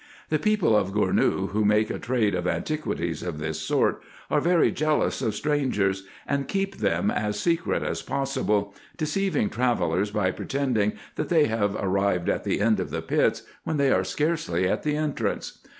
The people of Gournou, who make a trade of antiquities of this sort, are very jealous of strangers, and keep them as secret as possible, deceiving travellers by pre tending, that they have arrived at the end of the pits, when they are scarcely at the entrance.